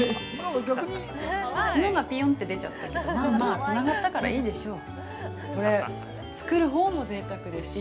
角がぴよんと出ちゃったけどつながったからいいでしょう。